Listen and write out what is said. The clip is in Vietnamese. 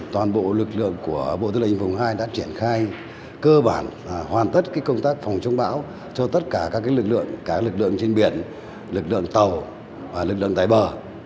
toàn bộ lực lượng của bộ tư lệnh vùng hai đã triển khai cơ bản hoàn tất công tác phòng chống bão cho tất cả các lực lượng cả lực lượng trên biển lực lượng tàu và lực lượng tại bờ